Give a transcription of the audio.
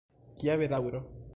Kia bedaŭro!